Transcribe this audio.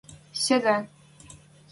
— Седӹ.